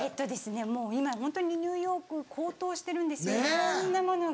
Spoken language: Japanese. もう今ホントにニューヨーク高騰してるんですいろんなものが。